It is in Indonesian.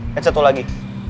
dan satu lagi